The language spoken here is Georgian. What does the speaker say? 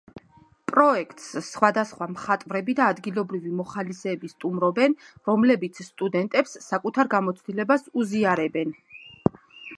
პროექტს სხვადასხვა მხატვრები და ადგილობრივი მოხალისეები სტუმრობენ, რომლებიც სტუდენტებს საკუთარ გამოცდილებას უზიარებენ.